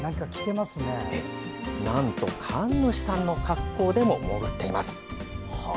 なんと神主さんの格好でも潜っています。